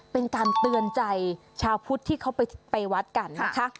เป็นการเตือนใจชาวพุทธที่เขาไปวัดกันนะคะ